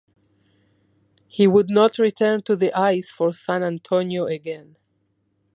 He would not return to the ice for San Antonio again.